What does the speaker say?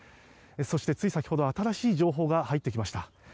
そして、つい先ほど新しい情報が入ってきました。